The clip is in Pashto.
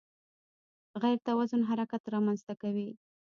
غیر توازن حرکت رامنځته کوي.